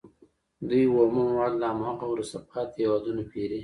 دوی اومه مواد له هماغو وروسته پاتې هېوادونو پېري